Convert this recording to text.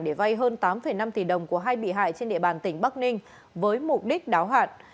để vay hơn tám năm tỷ đồng của hai bị hại trên địa bàn tỉnh bắc ninh với mục đích đáo hạn